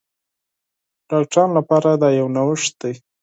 ډاکټرانو لپاره دا یو نوښت دی.